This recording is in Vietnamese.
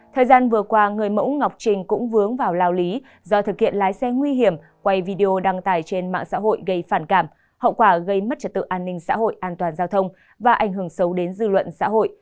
thời gian vừa qua người mẫu ngọc trinh cũng vướng vào lao lý do thực hiện lái xe nguy hiểm quay video đăng tải trên mạng xã hội gây phản cảm hậu quả gây mất trật tự an ninh xã hội an toàn giao thông và ảnh hưởng xấu đến dư luận xã hội